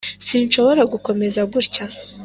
sinshobora gukomeza gutya.